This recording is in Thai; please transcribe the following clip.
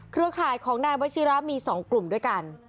เครือข่ายของนายวชิระมี๒กลุ่มด้วยกัน